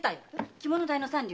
着物代の三両。